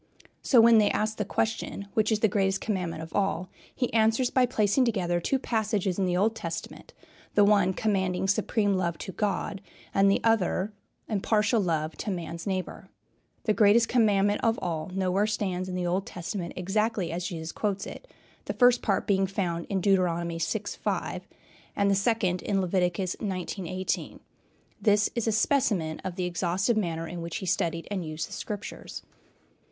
So, when they ask the question, "Which is the greatest commandment of all?" he answers by placing together two passages in the Old Testament, the one commanding supreme love to God and the other impartial love to man's neighbor. The greatest commandment of all nowhere stands in the Old Testament exactly as Jesus quotes it, the first part being found in Deuteronomy vi. 5, and the second in Leviticus xix. 18. This is a specimen of the exhaustive manner in which he studied and used the Scriptures.